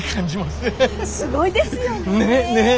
すごいですよねぇ。